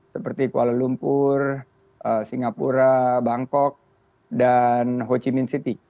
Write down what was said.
seperti kuala lumpur singapura bangkok dan ho chi minh city